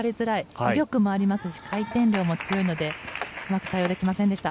威力もありますし回転量も強いのでうまく対応できませんでした。